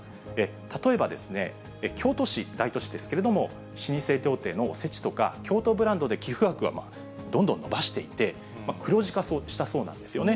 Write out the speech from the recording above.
例えば京都市、大都市ですけれども、老舗料亭のおせちとか、京都ブランドで寄付額をどんどん伸ばしていて、黒字化したそうなんですよね。